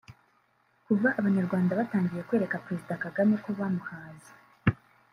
Kuva abanyarwanda batangiye kwereka Président Kagame ko bamuhaze